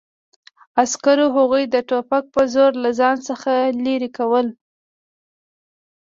عسکرو هغوی د ټوپک په زور له ځان څخه لرې کول